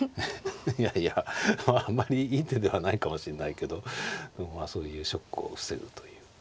いやいやあまりいい手ではないかもしんないけどまあそういうショックを防ぐという。